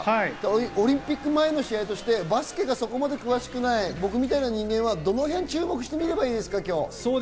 オリンピック前の試合として、バスケはそこまで詳しくない僕みたいな人間は、どのへんに注目して見ればいいですか？